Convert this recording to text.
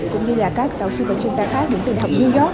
cũng như là các giáo sư và chuyên gia khác đến từ đại học new york